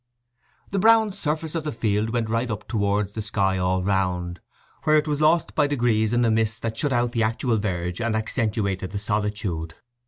The brown surface of the field went right up towards the sky all round, where it was lost by degrees in the mist that shut out the actual verge and accentuated the solitude.